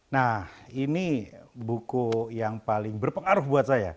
nah ini buku yang paling berpengaruh buat saya